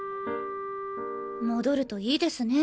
戻るといいですね。